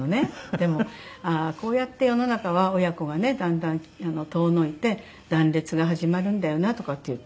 でも「ああこうやって世の中は親子がねだんだん遠のいて断裂が始まるんだよな」とかって言って。